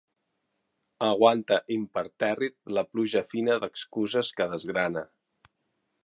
Aguanta impertèrrit la pluja fina d'excuses que desgrana.